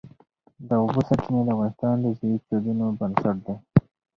د اوبو سرچینې د افغانستان د ځایي اقتصادونو بنسټ دی.